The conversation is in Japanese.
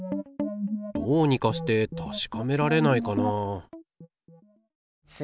どうにかしてたしかめられないかな